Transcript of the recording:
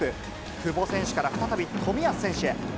久保選手から再び冨安選手へ。